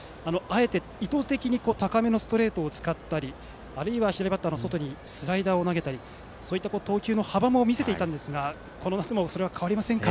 意図的に高めのストレートを使ったりあるいは左バッターの外にスライダーを投げたりと投球の幅も見せていたんですがこの夏も変わりませんか。